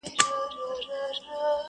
دا بلي ډېوې مړې که زما خوبونه تښتوي؛